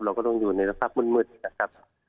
เราก็ต้องอยู่ในสภาพมืดนะครับ